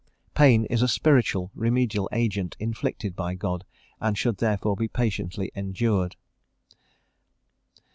Pain is a spiritual remedial agent inflicted by God, and should therefore be patiently endured.